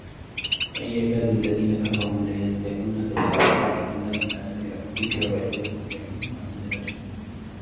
وَإِنْ يَكَادُ الَّذِينَ كَفَرُوا لَيُزْلِقُونَكَ بِأَبْصَارِهِمْ لَمَّا سَمِعُوا الذِّكْرَ وَيَقُولُونَ إِنَّهُ لَمَجْنُونٌ